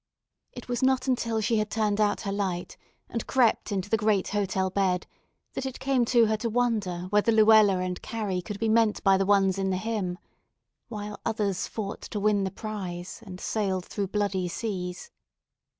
It was not until she had turned out her light and crept into the great hotel bed that it came to her to wonder whether Luella and Carrie could be meant by the ones in the hymn, "While others fought to win the prize And sailed through bloody seas."